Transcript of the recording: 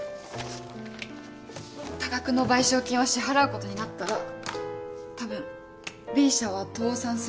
多額の賠償金を支払うことになったらたぶんＢ社は倒産する。